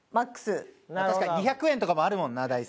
確かに２００円とかもあるもんなダイソー。